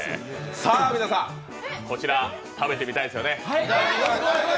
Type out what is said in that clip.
さあ皆さん、こちら食べてみたいですよね。